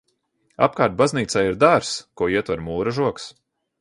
Apkārt baznīcai ir dārzs, ko ietver mūra žogs.